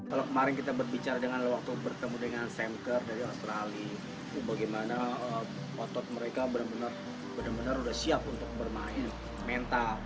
kalau kemarin kita berbicara dengan waktu bertemu dengan samker dari australia bagaimana otot mereka benar benar sudah siap untuk bermain mental